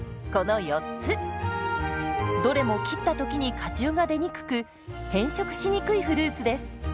どれも切った時に果汁が出にくく変色しにくいフルーツです。